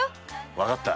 わかった。